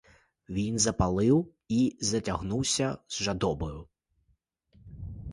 Він запалив і затягнувся з жадобою.